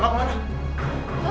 salam aku mana